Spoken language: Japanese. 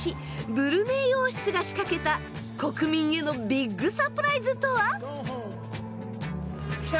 ブルネイ王室が仕掛けた国民へのビッグサプライズとは？